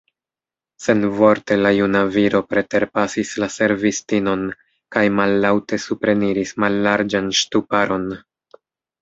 Senvorte la juna viro preterpasis la servistinon kaj mallaŭte supreniris mallarĝan ŝtuparon.